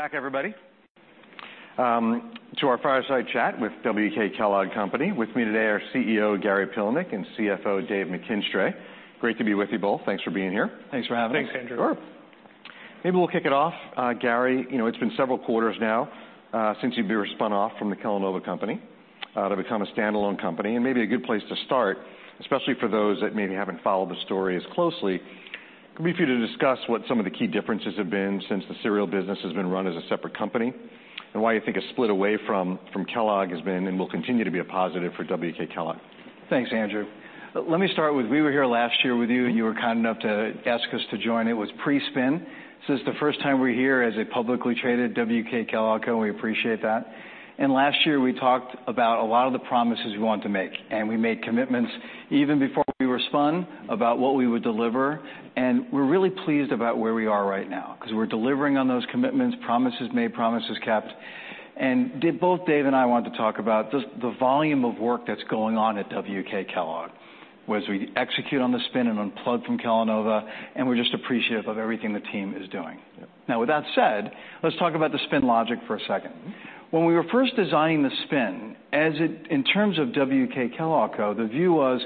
Welcome back, everybody, to our Fireside Chat with WK Kellogg Company. With me today are CEO Gary Pilnick and CFO Dave McKinstry. Great to be with you both. Thanks for being here. Thanks for having us. Thanks, Andrew. Sure. Maybe we'll kick it off. Gary, you know, it's been several quarters now, since you were spun off from the Kellanova company, to become a standalone company, and maybe a good place to start, especially for those that maybe haven't followed the story as closely, could be for you to discuss what some of the key differences have been since the cereal business has been run as a separate company, and why you think a split away from Kellogg has been, and will continue to be, a positive for WK Kellogg. Thanks, Andrew. Let me start with, we were here last year with you, and you were kind enough to ask us to join. It was pre-spin. This is the first time we're here as a publicly traded WK Kellogg, and we appreciate that. And last year, we talked about a lot of the promises we want to make, and we made commitments even before we were spun about what we would deliver, and we're really pleased about where we are right now, 'cause we're delivering on those commitments, promises made, promises kept. And both Dave and I want to talk about this, the volume of work that's going on at WK Kellogg, whereas we execute on the spin and unplug from Kellanova, and we're just appreciative of everything the team is doing. Now, with that said, let's talk about the spin logic for a second. When we were first designing the spin, as in terms of WK Kellogg Co, the view was,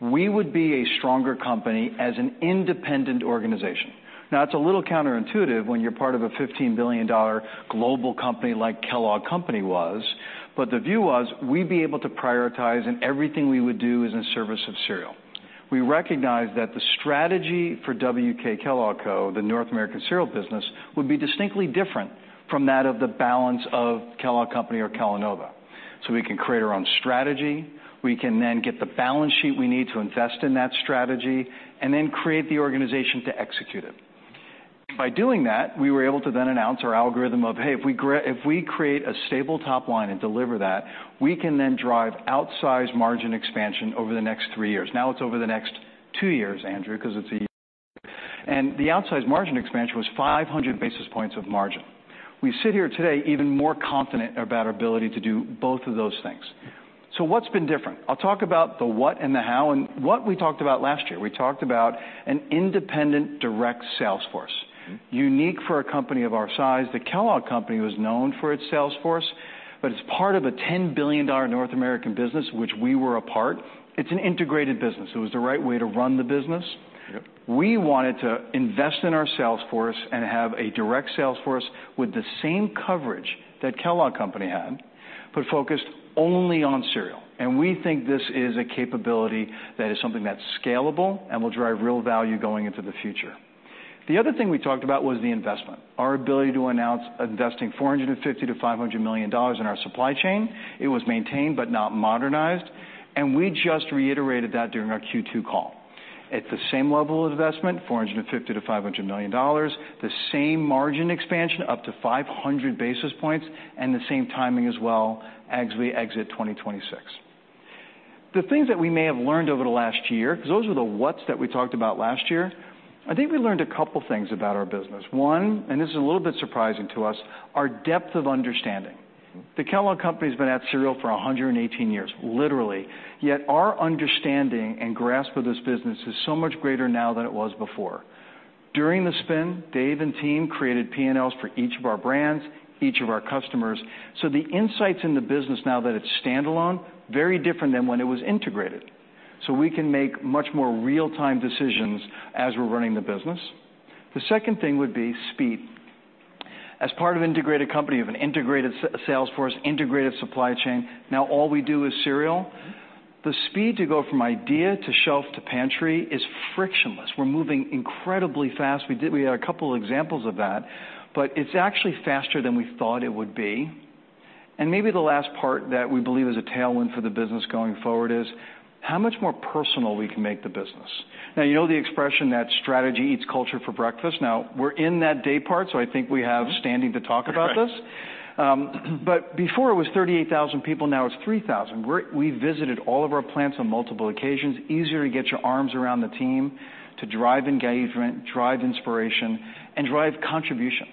we would be a stronger company as an independent organization. Now, it's a little counterintuitive when you're part of a $15 billion global company like Kellogg Company was, but the view was, we'd be able to prioritize, and everything we would do is in service of cereal. We recognize that the strategy for WK Kellogg Co, the North American Cereal business, would be distinctly different from that of the balance of Kellogg Company or Kellanova. So we can create our own strategy, we can then get the balance sheet we need to invest in that strategy, and then create the organization to execute it. By doing that, we were able to then announce our algorithm of, hey, if we create a stable top line and deliver that, we can then drive outsized margin expansion over the next three years. Now, it's over the next two years, Andrew, 'cause it's a year, and the outsized margin expansion was 500 basis points of margin. We sit here today even more confident about our ability to do both of those things, so what's been different? I'll talk about the what and the how, and what we talked about last year. We talked about an independent, direct sales force, unique for a company of our size. The Kellogg Company was known for its sales force, but it's part of a $10 billion North American business, which we were a part. It's an integrated business. It was the right way to run the business. Yep. We wanted to invest in our sales force and have a direct sales force with the same coverage that Kellogg Company had, but focused only on cereal, and we think this is a capability that is something that's scalable and will drive real value going into the future. The other thing we talked about was the investment, our ability to announce investing $450 million-$500 million in our supply chain. It was maintained, but not modernized, and we just reiterated that during our Q2 call. At the same level of investment, $450 million-$500 million, the same margin expansion, up to 500 basis points, and the same timing as well as we exit 2026. The things that we may have learned over the last year, 'cause those were the what's that we talked about last year. I think we learned a couple things about our business. One, and this is a little bit surprising to us, our depth of understanding. The Kellogg Company has been at cereal for a 118 years, literally, yet our understanding and grasp of this business is so much greater now than it was before. During the spin, Dave and team created P&Ls for each of our brands, each of our customers. So the insights in the business now that it's standalone, very different than when it was integrated. So we can make much more real-time decisions as we're running the business. The second thing would be speed. As part of an integrated company, of an integrated sales force, integrated supply chain, now all we do is cereal. The speed to go from idea to shelf to pantry is frictionless. We're moving incredibly fast. We had a couple examples of that, but it's actually faster than we thought it would be. And maybe the last part that we believe is a tailwind for the business going forward is, how much more personal we can make the business? Now, you know the expression that strategy eats culture for breakfast. Now, we're in that day part, so I think we have standing to talk about this. But before it was 38,000 people, now it's 3,000. We visited all of our plants on multiple occasions. Easier to get your arms around the team, to drive engagement, drive inspiration, and drive contribution.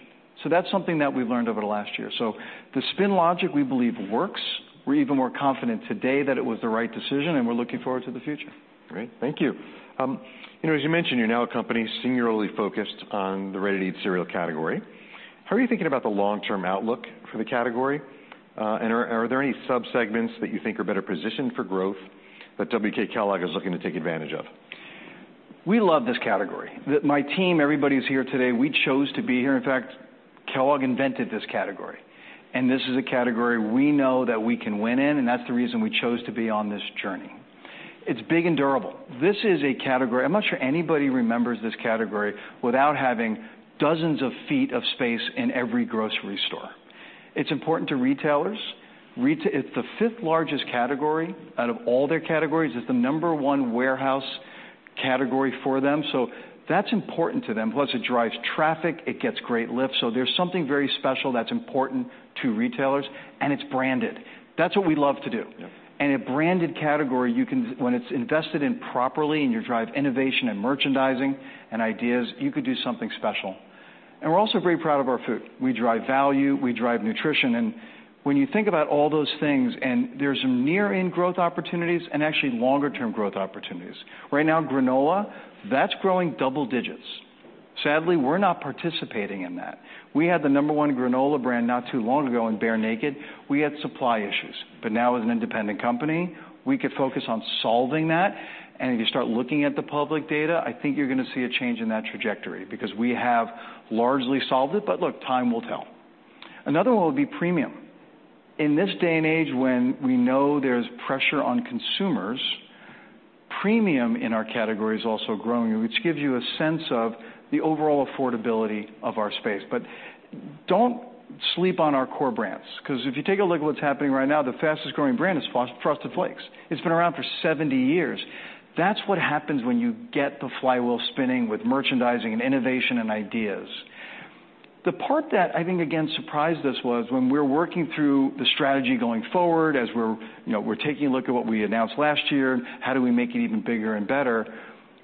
So that's something that we've learned over the last year. So the spin logic, we believe, works. We're even more confident today that it was the right decision, and we're looking forward to the future. Great. Thank you. You know, as you mentioned, you're now a company singularly focused on the ready-to-eat cereal category. How are you thinking about the long-term outlook for the category, and are there any subsegments that you think are better positioned for growth that WK Kellogg is looking to take advantage of? We love this category. My team, everybody who's here today, we chose to be here. In fact, Kellogg invented this category, and this is a category we know that we can win in, and that's the reason we chose to be on this journey. It's big and durable. This is a category. I'm not sure anybody remembers this category without having dozens of feet of space in every grocery store. It's important to retailers. It's the fifth largest category out of all their categories. It's the number one warehouse category for them, so that's important to them. Plus, it drives traffic, it gets great lift. So there's something very special that's important to retailers, and it's branded. That's what we love to do. Yep. And a branded category, you can, when it's invested in properly and you drive innovation and merchandising and ideas, you could do something special. And we're also very proud of our food. We drive value, we drive nutrition, and when you think about all those things, and there's some near-term growth opportunities and actually longer term growth opportunities. Right now, granola, that's growing double digits. Sadly, we're not participating in that. We had the number one granola brand not too long ago in Bear Naked. We had supply issues, but now as an independent company, we could focus on solving that, and if you start looking at the public data, I think you're gonna see a change in that trajectory because we have largely solved it. But look, time will tell. Another one will be premium. In this day and age, when we know there's pressure on consumers, premium in our category is also growing, which gives you a sense of the overall affordability of our space. But don't sleep on our core brands, 'cause if you take a look at what's happening right now, the fastest-growing brand is Frosted Flakes. It's been around for 70 years. That's what happens when you get the flywheel spinning with merchandising and innovation and ideas. The part that I think, again, surprised us was when we're working through the strategy going forward, as we're, you know, we're taking a look at what we announced last year, how do we make it even bigger and better?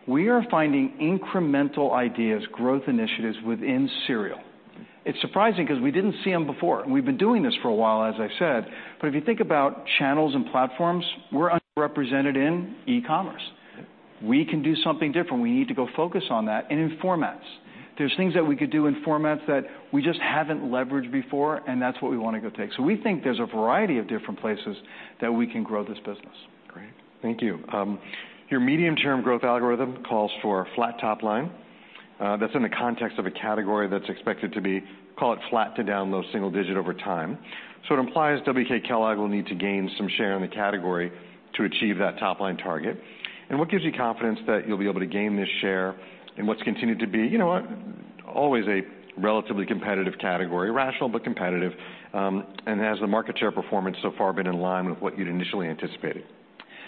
We are finding incremental ideas, growth initiatives within cereal. It's surprising 'cause we didn't see them before, and we've been doing this for a while, as I said, but if you think about channels and platforms, we're underrepresented in e-commerce. We can do something different. We need to go focus on that and in formats. There's things that we could do in formats that we just haven't leveraged before, and that's what we want to go take. So we think there's a variety of different places that we can grow this business. Great. Thank you. Your medium-term growth algorithm calls for a flat top line. That's in the context of a category that's expected to be, call it, flat to down low single digit over time. So it implies WK Kellogg will need to gain some share in the category to achieve that top-line target. And what gives you confidence that you'll be able to gain this share in what's continued to be, you know what, always a relatively competitive category, rational but competitive, and has the market share performance so far been in line with what you'd initially anticipated?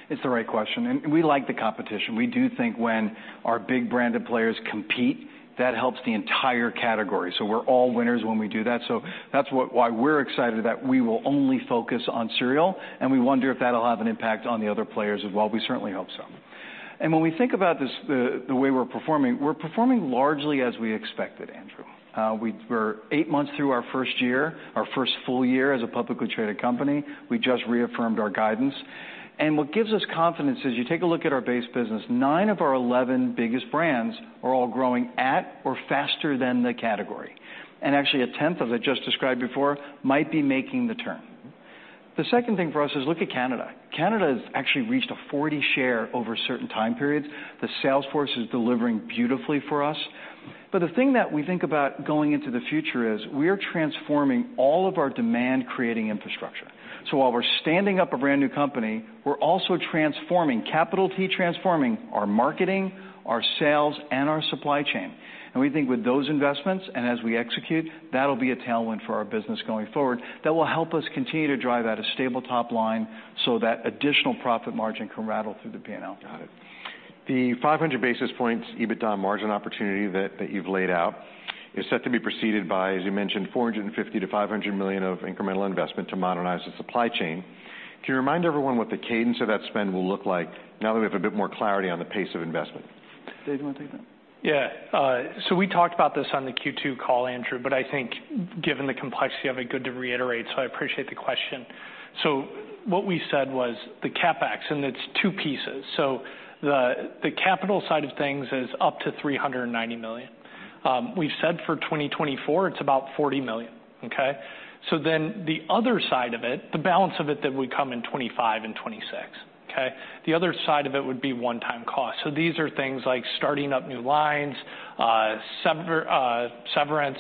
It's the right question, and we like the competition. We do think when our big branded players compete, that helps the entire category, so we're all winners when we do that. So that's why we're excited that we will only focus on cereal, and we wonder if that'll have an impact on the other players as well. We certainly hope so. And when we think about this, the way we're performing, we're performing largely as we expected, Andrew. We're eight months through our first year, our first full year as a publicly traded company. We just reaffirmed our guidance, and what gives us confidence is, you take a look at our base business, nine of our eleven biggest brands are all growing at or faster than the category. And actually, a 10th of it, just described before, might be making the turn. The second thing for us is, look at Canada. Canada has actually reached a 40% share over certain time periods. The sales force is delivering beautifully for us. But the thing that we think about going into the future is we are transforming all of our demand-creating infrastructure. So while we're standing up a brand new company, we're also transforming, capital T, transforming our marketing, our sales, and our supply chain. And we think with those investments and as we execute, that'll be a tailwind for our business going forward that will help us continue to drive at a stable top line so that additional profit margin can rattle through the P&L. Got it. The 500 basis points EBITDA margin opportunity that you've laid out is set to be preceded by, as you mentioned, $450 million-$500 million of incremental investment to modernize the supply chain. Can you remind everyone what the cadence of that spend will look like now that we have a bit more clarity on the pace of investment? Dave, you wanna take that? Yeah, so we talked about this on the Q2 call, Andrew, but I think given the complexity of it, good to reiterate, so I appreciate the question. So what we said was the CapEx, and it's two pieces. So the capital side of things is up to $390 million. We've said for 2024, it's about $40 million, okay? So then the other side of it, the balance of it, that would come in 2025 and 2026, okay? The other side of it would be one-time cost. So these are things like starting up new lines, severance,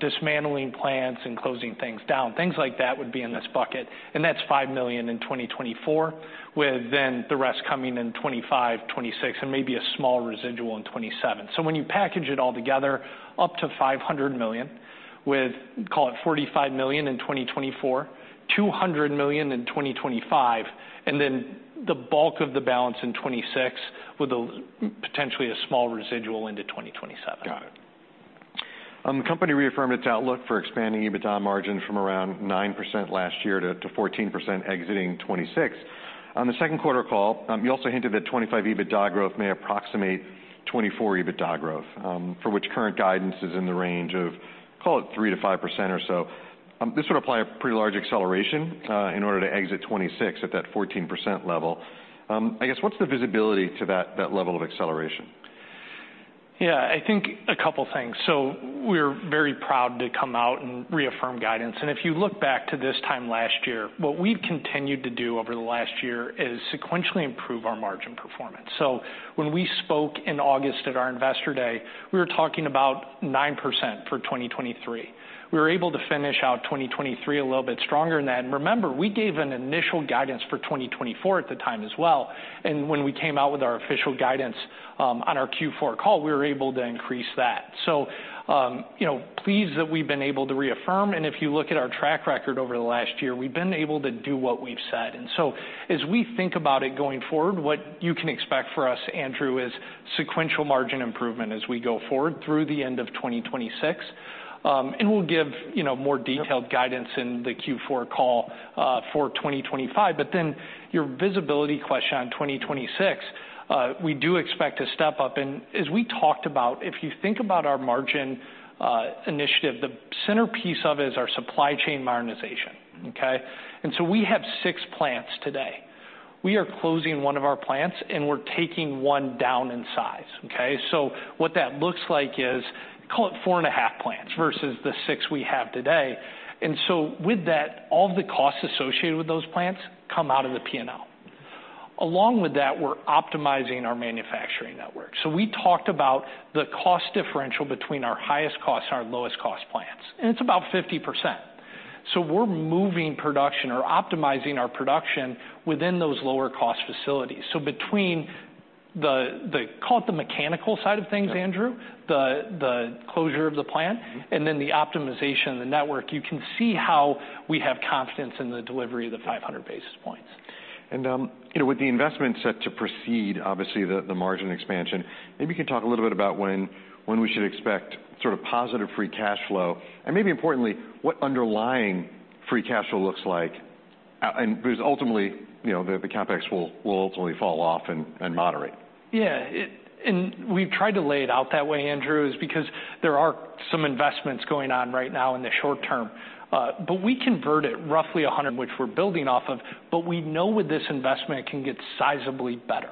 dismantling plants and closing things down. Things like that would be in this bucket, and that's $5 million in 2024, with then the rest coming in 2025, 2026, and maybe a small residual in 2027. So when you package it all together, up to $500 million, with, call it $45 million in 2024, $200 million in 2025, and then the bulk of the balance in 2026, with potentially a small residual into 2027. Got it. The company reaffirmed its outlook for expanding EBITDA margin from around 9% last year to 14% exiting 2026. On the second quarter call, you also hinted that 2025 EBITDA growth may approximate 2024 EBITDA growth, for which current guidance is in the range of, call it, 3%-5% or so. This would apply a pretty large acceleration, in order to exit 2026 at that 14% level. I guess, what's the visibility to that level of acceleration? Yeah, I think a couple things. So we're very proud to come out and reaffirm guidance, and if you look back to this time last year, what we've continued to do over the last year is sequentially improve our margin performance. So when we spoke in August at our Investor Day, we were talking about 9% for 2023. We were able to finish out 2023 a little bit stronger than that. And remember, we gave an initial guidance for 2024 at the time as well, and when we came out with our official guidance on our Q4 call, we were able to increase that. So you know, pleased that we've been able to reaffirm, and if you look at our track record over the last year, we've been able to do what we've said. And so as we think about it going forward, what you can expect from us, Andrew, is sequential margin improvement as we go forward through the end of 2026. And we'll give, you know, more detailed guidance in the Q4 call for 2025. But then, your visibility question on 2026, we do expect to step up. And as we talked about, if you think about our margin initiative, the centerpiece of it is our supply chain modernization, okay? And so we have six plants today. We are closing one of our plants, and we're taking one down in size, okay? So what that looks like is, call it four and a half plants versus the six we have today. And so with that, all of the costs associated with those plants come out of the P&L. Along with that, we're optimizing our manufacturing network. So we talked about the cost differential between our highest cost and our lowest cost plants, and it's about 50%. So we're moving production or optimizing our production within those lower-cost facilities. So between the call it the mechanical side of things, Andrew, the closure of the plant, and then the optimization of the network, you can see how we have confidence in the delivery of the 500 basis points. You know, with the investment set to proceed, obviously, the margin expansion. Maybe you can talk a little bit about when we should expect sort of positive free cash flow, and maybe importantly, what underlying free cash flow looks like. Because ultimately, you know, the CapEx will ultimately fall off and moderate. Yeah, it and we've tried to lay it out that way, Andrew, is because there are some investments going on right now in the short term. But we convert it roughly a hundred, which we're building off of, but we know with this investment, it can get sizably better.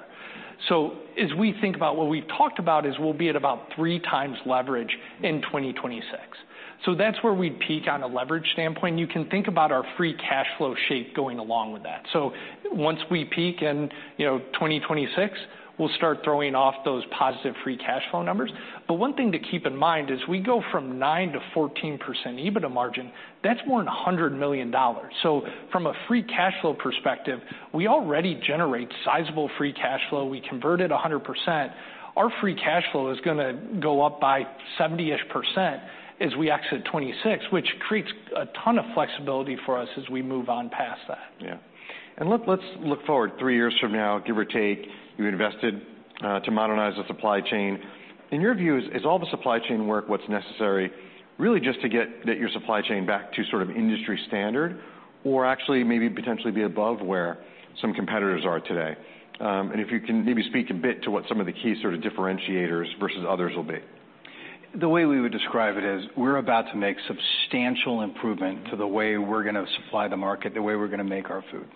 So as we think about what we've talked about is we'll be at about three times leverage in 2026. So that's where we'd peak on a leverage standpoint. You can think about our free cash flow shape going along with that. So once we peak in, you know, 2026, we'll start throwing off those positive free cash flow numbers. But one thing to keep in mind is we go from 9%-14% EBITDA margin, that's more than $100 million. So from a free cash flow perspective, we already generate sizable free cash flow. We converted 100%. Our free cash flow is gonna go up by 70-ish% as we exit 2026, which creates a ton of flexibility for us as we move on past that. Yeah. And let's look forward three years from now, give or take, you invested to modernize the supply chain. In your view, is all the supply chain work what's necessary, really, just to get your supply chain back to sort of industry standard, or actually maybe potentially be above where some competitors are today? And if you can maybe speak a bit to what some of the key sort of differentiators versus others will be. The way we would describe it is, we're about to make substantial improvement to the way we're gonna supply the market, the way we're gonna make our food.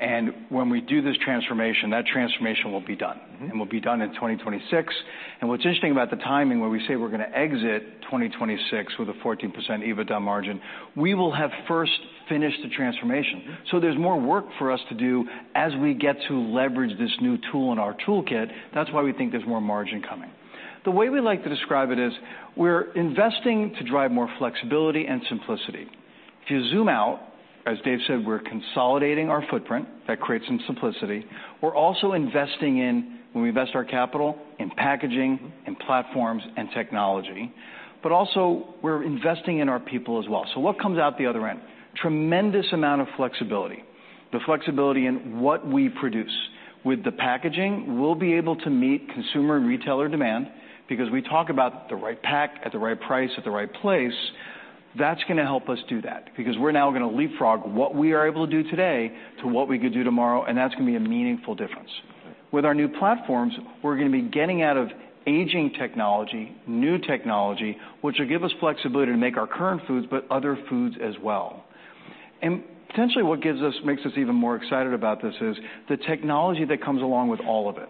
And when we do this transformation, that transformation will be done and will be done in 2026. What's interesting about the timing, when we say we're gonna exit 2026 with a 14% EBITDA margin, we will have first finished the transformation. So there's more work for us to do as we get to leverage this new tool in our toolkit. That's why we think there's more margin coming. The way we like to describe it is, we're investing to drive more flexibility and simplicity. If you zoom out, as Dave said, we're consolidating our footprint. That creates some simplicity. We're also investing in, when we invest our capital, in packaging, in platforms, and technology, but also we're investing in our people as well. So what comes out the other end? Tremendous amount of flexibility, the flexibility in what we produce. With the packaging, we'll be able to meet consumer and retailer demand because we talk about the right pack at the right price, at the right place. That's gonna help us do that because we're now gonna leapfrog what we are able to do today to what we could do tomorrow, and that's gonna be a meaningful difference. Right. With our new platforms, we're gonna be getting out of aging technology, new technology, which will give us flexibility to make our current foods, but other foods as well. And potentially, makes us even more excited about this is the technology that comes along with all of it.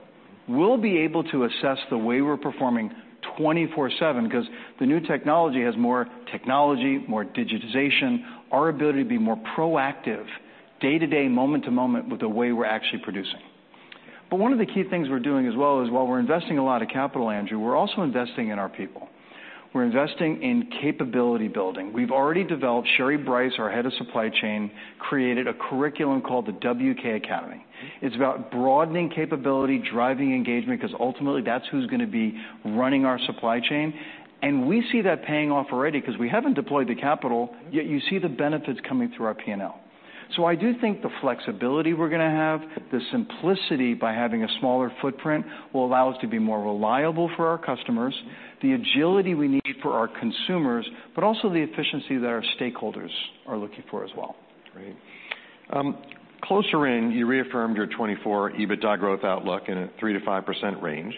We'll be able to assess the way we're performing 24/7, because the new technology has more technology, more digitization, our ability to be more proactive, day to day, moment to moment, with the way we're actually producing. But one of the key things we're doing as well is, while we're investing a lot of capital, Andrew, we're also investing in our people. We're investing in capability building. We've already developed... Sherry Brice, our head of supply chain, created a curriculum called the WK Academy. It's about broadening capability, driving engagement, because ultimately, that's who's gonna be running our supply chain. And we see that paying off already because we haven't deployed the capital, yet you see the benefits coming through our P&L. So I do think the flexibility we're gonna have, the simplicity by having a smaller footprint, will allow us to be more reliable for our customers, the agility we need for our consumers, but also the efficiency that our stakeholders are looking for as well. Great. Closer in, you reaffirmed your 2024 EBITDA growth outlook in a 3%-5% range.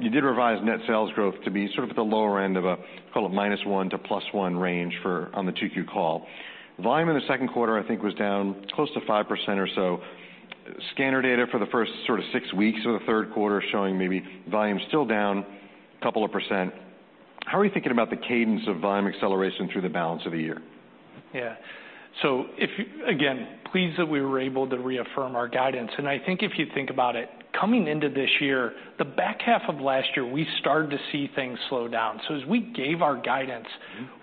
You did revise net sales growth to be sort of at the lower end of a, call it, -1% to +1% range for-- on the 2Q call. Volume in the second quarter, I think, was down close to 5% or so. Scanner data for the first sort of six weeks of the third quarter showing maybe volume still down a couple of percent. How are you thinking about the cadence of volume acceleration through the balance of the year? Yeah. So if again, pleased that we were able to reaffirm our guidance, and I think if you think about it, coming into this year, the back half of last year, we started to see things slow down, so as we gave our guidance.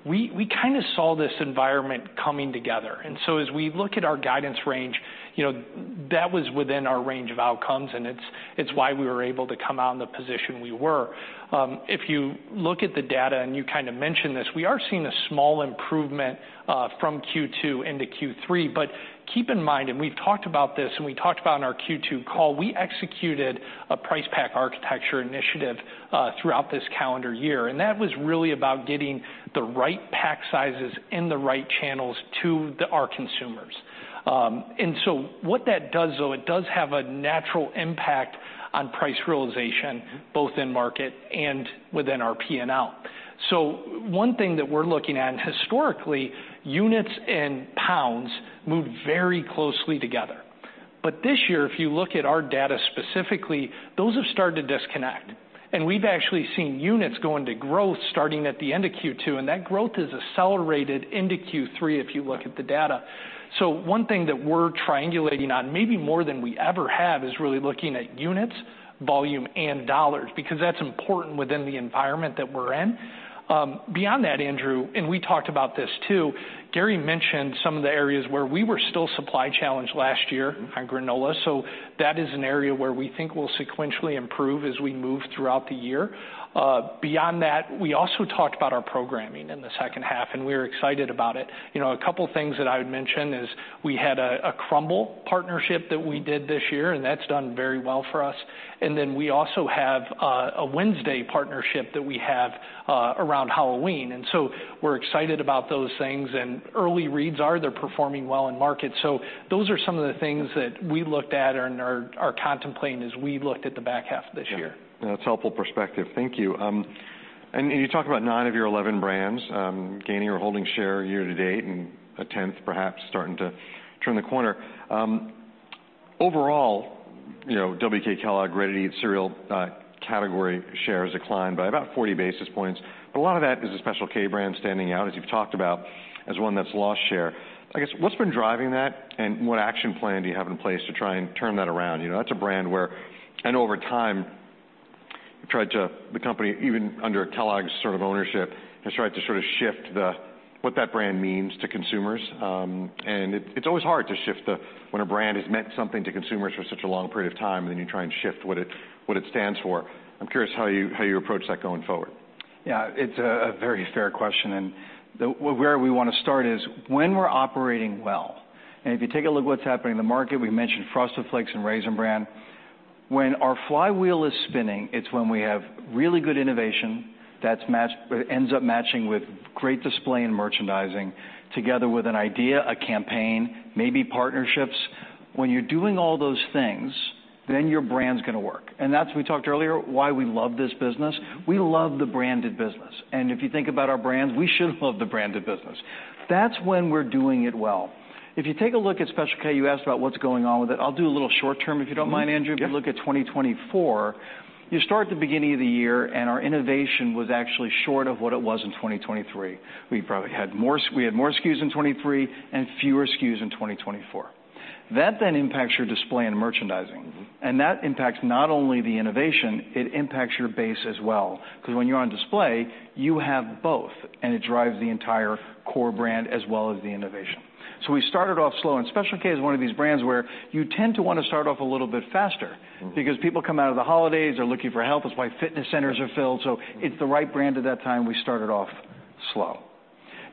We kind of saw this environment coming together. And so as we look at our guidance range, you know, that was within our range of outcomes, and it's why we were able to come out in the position we were. If you look at the data, and you kind of mentioned this, we are seeing a small improvement from Q2 into Q3. But keep in mind, and we've talked about this, and we talked about in our Q2 call, we executed a price pack architecture initiative throughout this calendar year, and that was really about getting the right pack sizes in the right channels to our consumers. And so what that does, though, it does have a natural impact on price realization. Both in market and within our P&L. So one thing that we're looking at, and historically, units and pounds moved very closely together. But this year, if you look at our data specifically, those have started to disconnect, and we've actually seen units go into growth starting at the end of Q2, and that growth has accelerated into Q3 if you look at the data. So one thing that we're triangulating on, maybe more than we ever have, is really looking at units, volume, and dollars, because that's important within the environment that we're in. Beyond that, Andrew, and we talked about this, too, Gary mentioned some of the areas where we were still supply challenged last year on granola, so that is an area where we think we'll sequentially improve as we move throughout the year. Beyond that, we also talked about our programming in the second half, and we're excited about it. You know, a couple of things that I would mention is we had a Crumbl partnership that we did this year, and that's done very well for us. And then we also have a Wednesday partnership that we have around Halloween, and so we're excited about those things, and early reads are they're performing well in market. So those are some of the things that we looked at and are contemplating as we looked at the back half of this year. Yeah, that's helpful perspective. Thank you, and you talked about nine of your 11 brands, gaining or holding share year to-date and a tenth perhaps starting to turn the corner. Overall, you know, WK Kellogg ready-to-eat cereal category share has declined by about 40 basis points, but a lot of that is the Special K brand standing out, as you've talked about, as one that's lost share. I guess, what's been driving that, and what action plan do you have in place to try and turn that around? You know, that's a brand where... and over time, you've tried to the company, even under Kellogg's sort of ownership, has tried to sort of shift the what that brand means to consumers. And it's always hard to shift when a brand has meant something to consumers for such a long period of time, and then you try and shift what it stands for. I'm curious how you approach that going forward. Yeah, it's a very fair question, and the... Where we want to start is, when we're operating well, and if you take a look at what's happening in the market, we mentioned Frosted Flakes and Raisin Bran. When our flywheel is spinning, it's when we have really good innovation that's matched, ends up matching with great display and merchandising, together with an idea, a campaign, maybe partnerships. When you're doing all those things, then your brand's gonna work. And that's, we talked earlier, why we love this business. We love the branded business, and if you think about our brands, we should love the branded business. That's when we're doing it well. If you take a look at Special K, you asked about what's going on with it. I'll do a little short term, if you don't mind, Andrew. Yeah. If you look at 2024, you start at the beginning of the year, and our innovation was actually short of what it was in 2023. We probably had more. We had more SKUs in 2023 and fewer SKUs in 2024. That then impacts your display in merchandising, and that impacts not only the innovation, it impacts your base as well, because when you're on display, you have both, and it drives the entire core brand as well as the innovation. So we started off slow, and Special K is one of these brands where you tend to want to start off a little bit faster because people coming out of the holidays are looking for help. That's why fitness centers are filled, so it's the right brand at that time. We started off slow.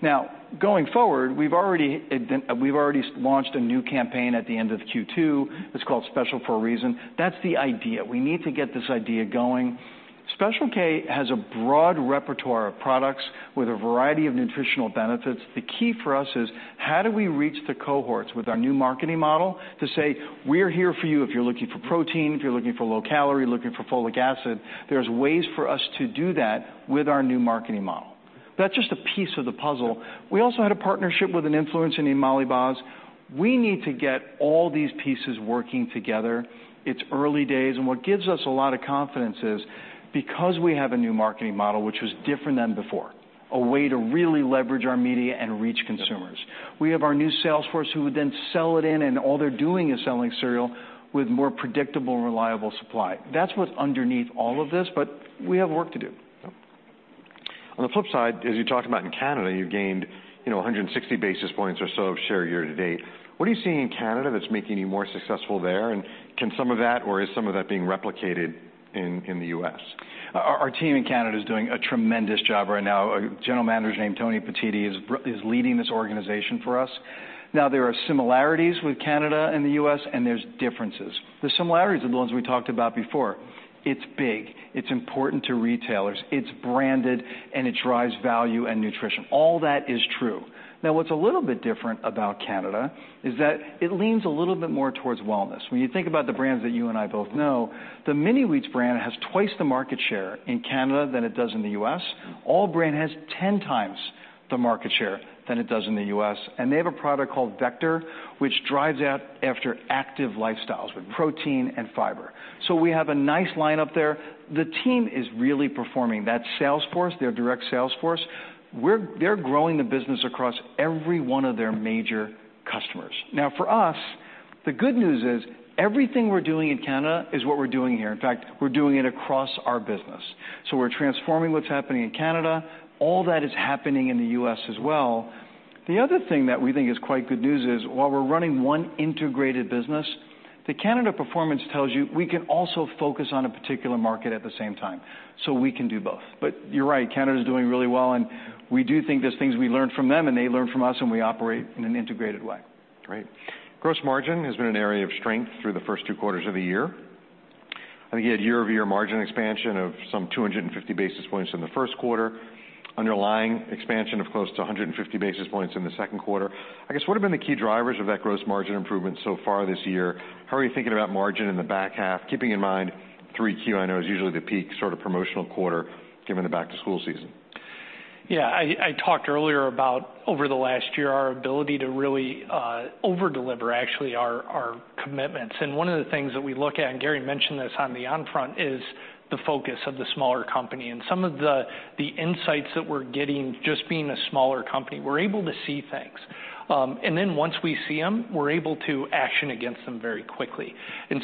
Now, going forward, we've already launched a new campaign at the end of Q2. It's called Special for a Reason. That's the idea. We need to get this idea going. Special K has a broad repertoire of products with a variety of nutritional benefits. The key for us is, how do we reach the cohorts with our new marketing model to say, "We're here for you if you're looking for protein, if you're looking for low calorie, looking for folic acid"? There's ways for us to do that with our new marketing model. That's just a piece of the puzzle. We also had a partnership with an influencer named Molly Baz. We need to get all these pieces working together. It's early days, and what gives us a lot of confidence is, because we have a new marketing model, which was different than before, a way to really leverage our media and reach consumers. We have our new sales force, who would then sell it in, and all they're doing is selling cereal with more predictable and reliable supply. That's what's underneath all of this, but we have work to do. On the flip side, as you talked about in Canada, you've gained, you know, 160 basis points or so of share year-to-date. What are you seeing in Canada that's making you more successful there, and can some of that or is some of that being replicated in the U.S.? Our team in Canada is doing a tremendous job right now. A general manager named Tony Petitti is leading this organization for us. Now, there are similarities with Canada and the U.S., and there's differences. The similarities are the ones we talked about before: It's big, it's important to retailers, it's branded, and it drives value and nutrition. All that is true. Now, what's a little bit different about Canada is that it leans a little bit more towards wellness. When you think about the brands that you and I both know, the Mini-Wheats brand has twice the market share in Canada than it does in the U.S. All-Bran has ten times the market share than it does in the U.S., and they have a product called Vector, which drives out after active lifestyles with protein and fiber. We have a nice line up there. The team is really performing. That sales force, their direct sales force, they're growing the business across every one of their major customers. Now, for us, the good news is, everything we're doing in Canada is what we're doing here. In fact, we're doing it across our business. We're transforming what's happening in Canada. All that is happening in the U.S. as well. The other thing that we think is quite good news is, while we're running one integrated business, the Canada performance tells you we can also focus on a particular market at the same time, so we can do both. But you're right, Canada's doing really well, and we do think there's things we learn from them, and they learn from us, and we operate in an integrated way. Great. Gross margin has been an area of strength through the first two quarters of the year. I think you had year-over-year margin expansion of some two hundred and fifty basis points in the first quarter, underlying expansion of close to one hundred and fifty basis points in the second quarter. I guess, what have been the key drivers of that gross margin improvement so far this year? How are you thinking about margin in the back half, keeping in mind 3Q, I know, is usually the peak sort of promotional quarter, given the back-to-school season? Yeah, I talked earlier about over the last year, our ability to really over-deliver, actually, our commitments. One of the things that we look at, and Gary mentioned this on the front, is the focus of the smaller company. Some of the insights that we're getting, just being a smaller company, we're able to see things. Then once we see them, we're able to action against them very quickly.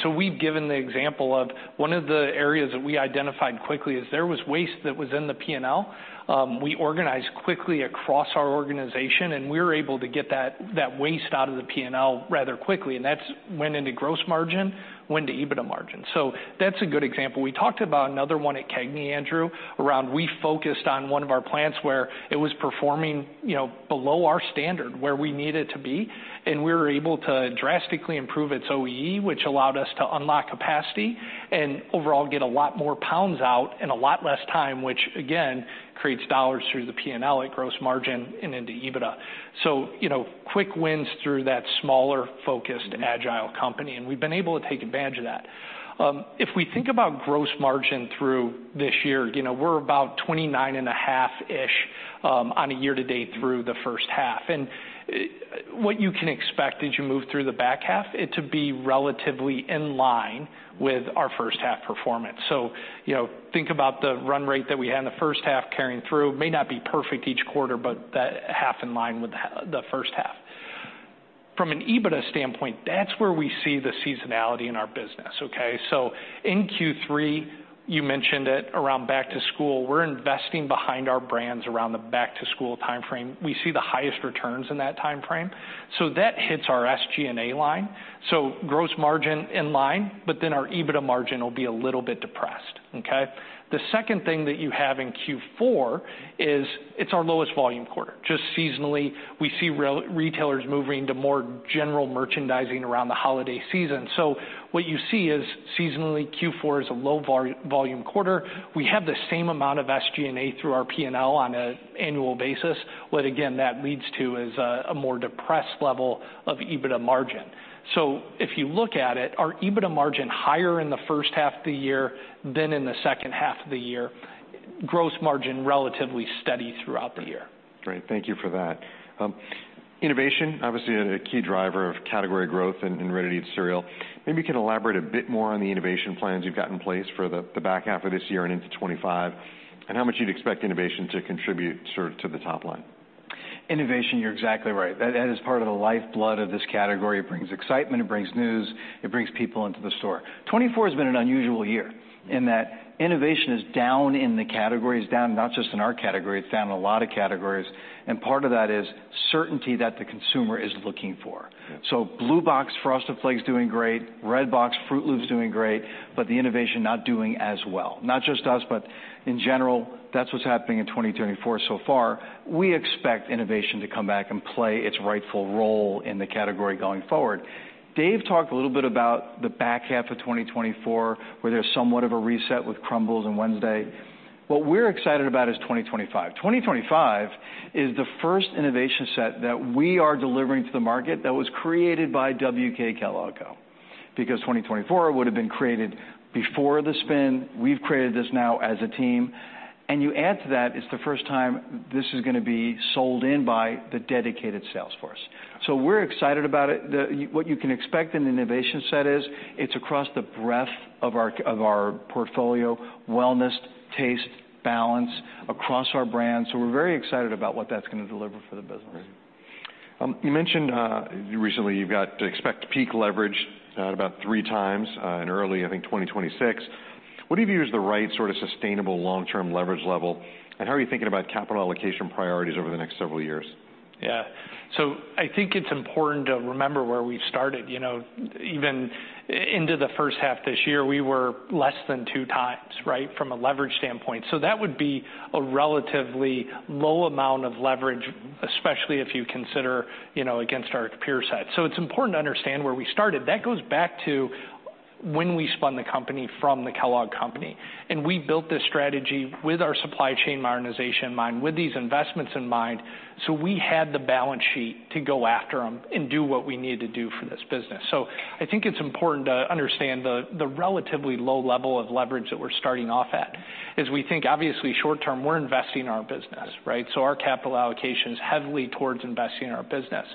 So we've given the example of one of the areas that we identified quickly is there was waste that was in the P&L. We organized quickly across our organization, and we were able to get that waste out of the P&L rather quickly, and that's went into gross margin, went to EBITDA margin. So that's a good example. We talked about another one at CAGNY, Andrew, around we focused on one of our plants where it was performing, you know, below our standard, where we need it to be, and we were able to drastically improve its OEE, which allowed us to unlock capacity and overall get a lot more pounds out in a lot less time, which, again, creates dollars through the P&L at gross margin and into EBITDA. So, you know, quick wins through that smaller, focused, agile company, and we've been able to take advantage of that. If we think about gross margin through this year, you know, we're about 29.5%-ish on a year-to-date through the first half. What you can expect as you move through the back half, it to be relatively in line with our first half performance. So, you know, think about the run rate that we had in the first half carrying through. May not be perfect each quarter, but that half in line with the first half. From an EBITDA standpoint, that's where we see the seasonality in our business, okay? So in Q3, you mentioned it, around back to school, we're investing behind our brands around the back to school timeframe. We see the highest returns in that timeframe, so that hits our SG&A line, so gross margin in line, but then our EBITDA margin will be a little bit depressed, okay? The second thing that you have in Q4 is it's our lowest volume quarter. Just seasonally, we see retailers moving to more general merchandising around the holiday season. So what you see is, seasonally, Q4 is a low volume quarter. We have the same amount of SG&A through our P&L on an annual basis. What, again, that leads to is a more depressed level of EBITDA margin. So if you look at it, our EBITDA margin higher in the first half of the year than in the second half of the year. Gross margin, relatively steady throughout the year. Great. Thank you for that. Innovation, obviously, a key driver of category growth in ready-to-eat cereal. Maybe you can elaborate a bit more on the innovation plans you've got in place for the back half of this year and into 2025, and how much you'd expect innovation to contribute sort of to the top line. Innovation, you're exactly right. That, that is part of the lifeblood of this category. It brings excitement, it brings news, it brings people into the store. 2024 has been an unusual year in that innovation is down in the categories, down not just in our category, it's down in a lot of categories, and part of that is certainty that the consumer is looking for. Yeah. So blue box Frosted Flakes doing great, red box Froot Loops doing great, but the innovation not doing as well. Not just us, but in general, that's what's happening in 2024 so far. We expect innovation to come back and play its rightful role in the category going forward. Dave talked a little bit about the back half of 2024, where there's somewhat of a reset with Crumbl and Wednesday. What we're excited about is 2025. 2025 is the first innovation set that we are delivering to the market that was created by WK Kellogg Co. Because 2024 would have been created before the spin. We've created this now as a team, and you add to that, it's the first time this is gonna be sold in by the dedicated sales force, so we're excited about it. The... What you can expect in the innovation set is, it's across the breadth of our portfolio, wellness, taste, balance, across our brands. So we're very excited about what that's gonna deliver for the business. Great. You mentioned recently, you've got to expect peak leverage about three times in early, I think, 2026. What do you view as the right sort of sustainable long-term leverage level, and how are you thinking about capital allocation priorities over the next several years? Yeah. So I think it's important to remember where we've started. You know, even into the first half this year, we were less than two times, right, from a leverage standpoint. So that would be a relatively low amount of leverage, especially if you consider, you know, against our peer set. So it's important to understand where we started. That goes back to when we spun the company from the Kellogg Company, and we built this strategy with our supply chain modernization in mind, with these investments in mind, so we had the balance sheet to go after them and do what we needed to do for this business. So I think it's important to understand the relatively low level of leverage that we're starting off at. As we think, obviously, short term, we're investing in our business, right? So our capital allocation is heavily towards investing in our business.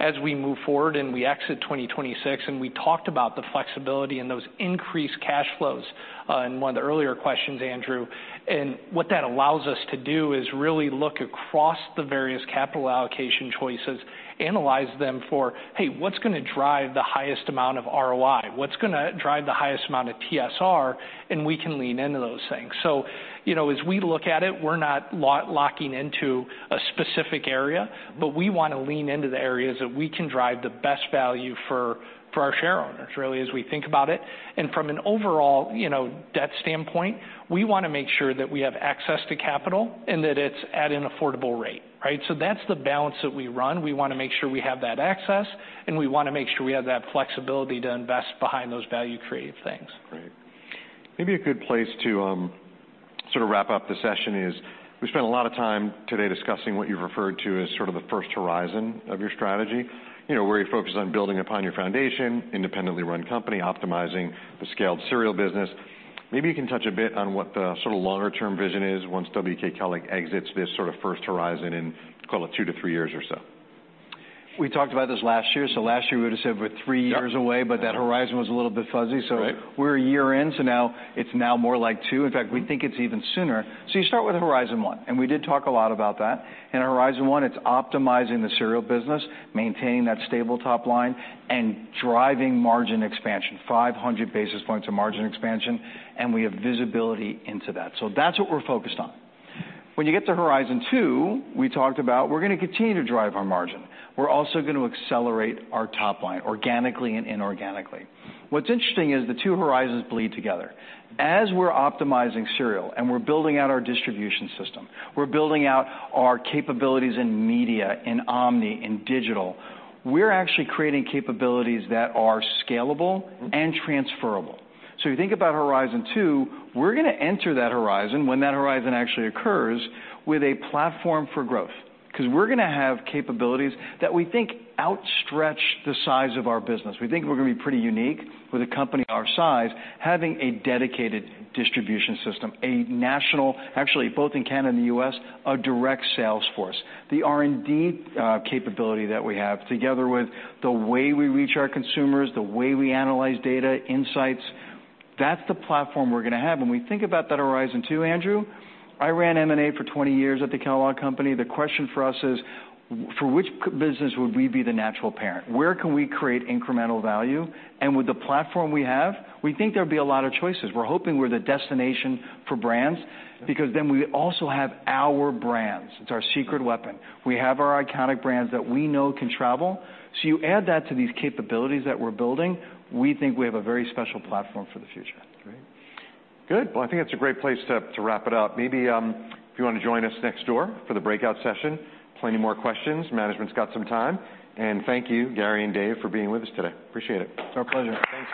As we move forward and we exit 2026, and we talked about the flexibility and those increased cash flows, in one of the earlier questions, Andrew, and what that allows us to do is really look across the various capital allocation choices, analyze them for, hey, what's gonna drive the highest amount of ROI? What's gonna drive the highest amount of TSR? And we can lean into those things. So, you know, as we look at it, we're not locking into a specific area, but we want to lean into the areas that we can drive the best value for, for our shareowners, really, as we think about it. And from an overall, you know, debt standpoint, we wanna make sure that we have access to capital and that it's at an affordable rate, right? So that's the balance that we run. We wanna make sure we have that access, and we wanna make sure we have that flexibility to invest behind those value-creative things. Great. Maybe a good place to, sort of wrap up the session is, we spent a lot of time today discussing what you've referred to as sort of the first horizon of your strategy. You know, where you're focused on building upon your foundation, independently run company, optimizing the scaled cereal business. Maybe you can touch a bit on what the sort of longer term vision is once WK Kellogg exits this sort of first horizon in, call it, two to three years or so. We talked about this last year, so last year, we would have said we're three years away, but that horizon was a little bit fuzzy. So we're a year in, so now it's now more like two. In fact, we think it's even sooner. So you start with Horizon 1, and we did talk a lot about that. In Horizon 1, it's optimizing the cereal business, maintaining that stable top line, and driving margin expansion, 500 basis points of margin expansion, and we have visibility into that. So that's what we're focused on. When you get to Horizon 2, we talked about, we're gonna continue to drive our margin. We're also gonna accelerate our top line organically and inorganically. What's interesting is the two horizons bleed together. As we're optimizing cereal and we're building out our distribution system, we're building out our capabilities in media, in omni, in digital, we're actually creating capabilities that are scalable and transferable. So you think about Horizon 2, we're gonna enter that horizon when that horizon actually occurs with a platform for growth, 'cause we're gonna have capabilities that we think outstretch the size of our business. We think we're gonna be pretty unique with a company our size, having a dedicated distribution system, a national, actually both in Canada and the U.S., direct sales force. The R&D capability that we have, together with the way we reach our consumers, the way we analyze data, insights, that's the platform we're gonna have. When we think about that Horizon 2, Andrew, I ran M&A for 20 years at the Kellogg Company. The question for us is, for which business would we be the natural parent? Where can we create incremental value? And with the platform we have, we think there'll be a lot of choices. We're hoping we're the destination for brands, because then we also have our brands. It's our secret weapon. We have our iconic brands that we know can travel. So you add that to these capabilities that we're building, we think we have a very special platform for the future. Great. Good. I think it's a great place to wrap it up. Maybe, if you want to join us next door for the breakout session. Plenty more questions. Management's got some time. Thank you, Gary and Dave, for being with us today. Appreciate it. Our pleasure. Thanks.